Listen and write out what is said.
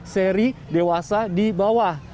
seri dewasa di bawah